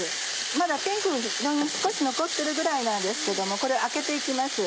まだピンク少し残ってるぐらいなんですけどもこれをあけて行きます。